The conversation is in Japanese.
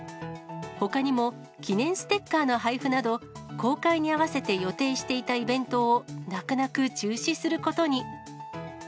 ほかにも、記念ステッカーの配布など、公開に合わせて予定していたイベントを、なくなく中止することに。